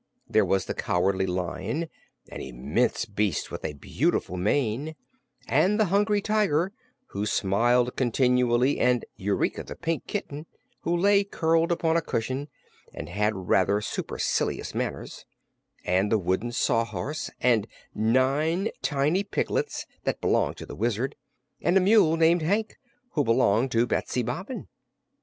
There was the Cowardly Lion, an immense beast with a beautiful mane; and the Hungry Tiger, who smiled continually; and Eureka the Pink Kitten, who lay curled upon a cushion and had rather supercilious manners; and the wooden Sawhorse; and nine tiny piglets that belonged to the Wizard; and a mule named Hank, who belonged to Betsy Bobbin.